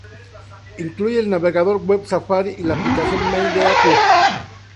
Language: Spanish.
Incluye el navegador web Safari y la aplicación Mail de Apple.